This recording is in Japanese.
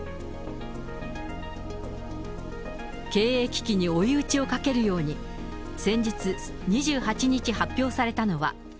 経営危機に追い打ちをかけるように、先日２８日発表されたのは。